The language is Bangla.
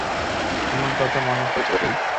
আমার কথা মনে পড়েছিল কি?